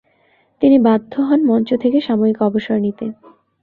তিনি বাধ্য হন মঞ্চ থেকে সাময়িক অবসর নিতে।